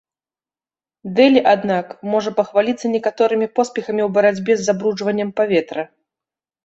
Дэлі, аднак, можа пахваліцца некаторымі поспехамі ў барацьбе з забруджваннем паветра.